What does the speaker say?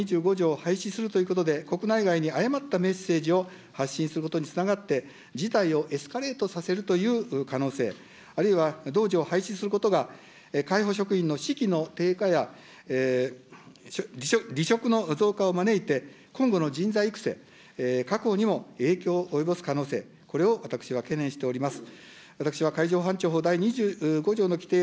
しかし、海上保安庁第２５条を廃止するということで、国内外に誤ったメッセージを発信することにつながって、自体をエスカレートさせるという可能性、あるいは同条を廃止することが、海保職員の士気の低下や離職の増加を招いて、今後の人材育成、確保にも影響を及ぼす可能性、これを私は懸念しております。